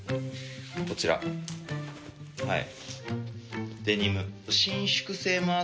こちらはい。